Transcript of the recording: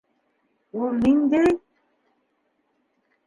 Ул ниндәй...